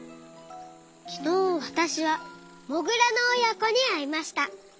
きのうわたしはモグラのおやこにあいました。